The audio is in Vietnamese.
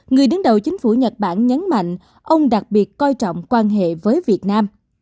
người đứng đầu chính phủ nhật bản nhấn mạnh ông đặc biệt coi trọng quan hệ với việt nam